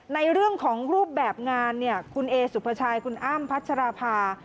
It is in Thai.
ในเรื่องของรูปแบบงานเนี่ยคุณเอสุภาชัยคุณอ้ำพัชราภา